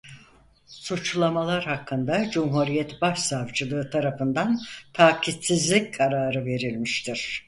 Suçlamalar hakkında Cumhuriyet Başsavcılığı tarafından takipsizlik kararı verilmiştir.